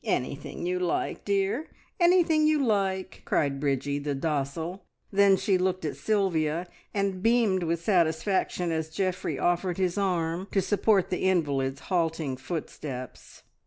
"Anything you like, dear! anything you like!" cried Bridgie the docile; then she looked at Sylvia, and beamed with satisfaction as Geoffrey offered his arm to support the invalid's halting footsteps.